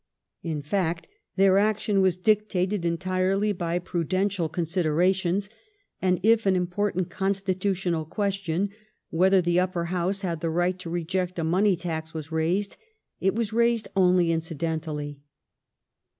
In fact, their action was dictated entirely by prudential considerations ; and if an important consti tutional question, whether the Upper House had the right to reject a money tax, was raised, it was raised only incidentally.